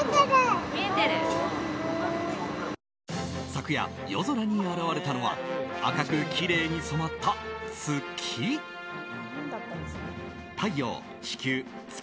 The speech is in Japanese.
昨夜、夜空に現れたのは赤くきれいに染まった月。